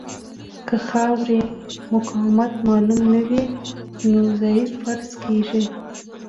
که د خاورې مقاومت معلوم نه وي نو ضعیفه فرض کیږي